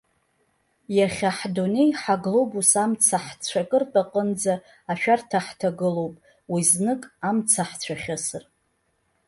Иахьа ҳдунеи-ҳаглобус амца ҳцәакыртә аҟынӡа ашәарҭа ҳҭагылоуп, уи знык амца ҳцәахьысыр.